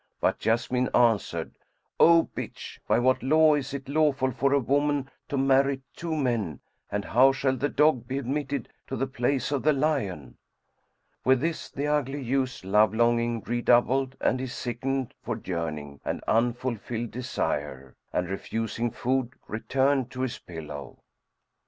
But Jessamine answered "O bitch, by what law is it lawful for a woman to marry two men; and how shall the dog be admitted to the place of the lion?" With this, the ugly youth's love longing redoubled and he sickened for yearning and unfulfilled desire; and refusing food returned to his pillow.